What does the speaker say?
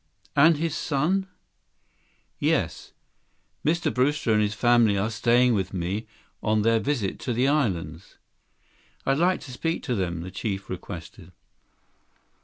"And his son?" 62 "Yes, Mr. Brewster and his family are staying with me on their visit to the islands." "I'd like to speak to them," the chief requested.